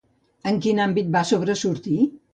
En quin àmbit va sobresortir?